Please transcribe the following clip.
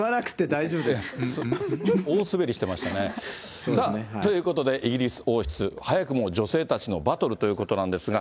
大すべりしてましたね。ということで、イギリス王室、早くも女性たちのバトルということなんですが。